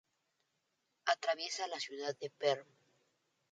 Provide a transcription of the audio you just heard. Atraviesa la ciudad de Perm.